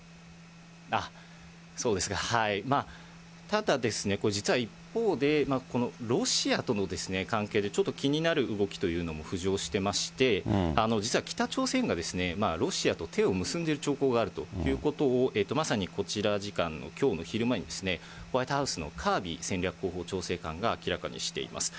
そうですか、ただ、これ、実は一方で、このロシアとの関係でちょっと気になる動きというのも浮上してまして、実は北朝鮮がロシアと手を結んでいる兆候があるということを、まさにこちら時間のきょうの昼前に、ホワイトハウスのカービー戦略広報調整官が明らかにしています。